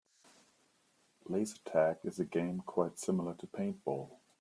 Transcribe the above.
Laser tag is a game quite similar to paintball.